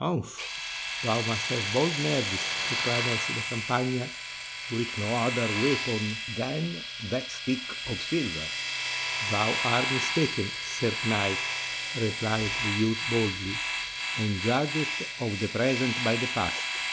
"Umph! thou must have bold nerves to traverse the Campagna with no other weapon than that stick of silver!" "Thou art mistaken, sir knight," replied the youth boldly, "and judgest of the present by the past.